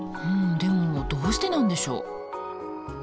でもどうしてなんでしょう？